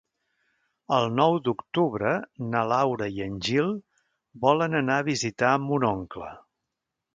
El nou d'octubre na Laura i en Gil volen anar a visitar mon oncle.